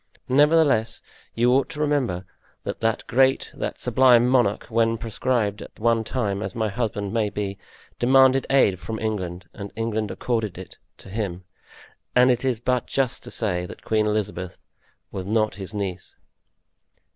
Nevertheless, you ought to remember that that great, that sublime monarch, when proscribed at one time, as my husband may be, demanded aid from England and England accorded it to him; and it is but just to say that Queen Elizabeth was not his niece."